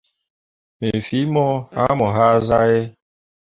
Me fii mo hãã mo hazahe.